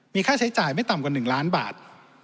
มีค่าใช้จ่ายไม่ต่ำกว่า๑ล้านบาท